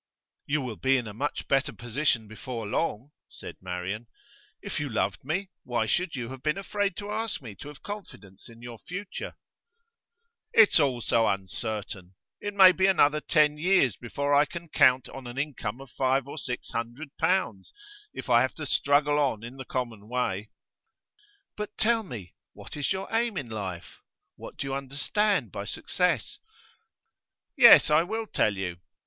'You will be in a much better position before long,' said Marian. 'If you loved me, why should you have been afraid to ask me to have confidence in your future?' 'It's all so uncertain. It may be another ten years before I can count on an income of five or six hundred pounds if I have to struggle on in the common way.' 'But tell me, what is your aim in life? What do you understand by success?' 'Yes, I will tell you.